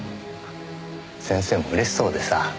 先生も嬉しそうでさ。